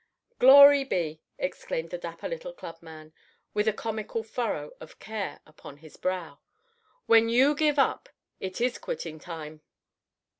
"Glory be!" exclaimed the dapper little club man, with a comical furrow of care upon his brow. "When you give up, it is quitting time."